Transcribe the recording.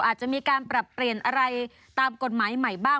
อาจจะมีการปรับเปลี่ยนอะไรตามกฎหมายใหม่บ้าง